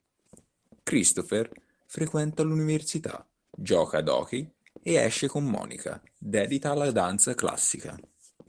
Christopher frequenta l'università, gioca ad hockey e esce con Monica, dedita alla danza classica.